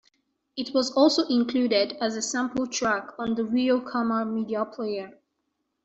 It was also included as a sample track on the Rio Karma media player.